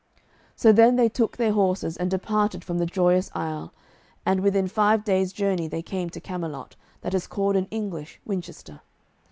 So then they took their horses and departed from the Joyous Isle, and within five days' journey they came to Camelot, that is called in English Winchester.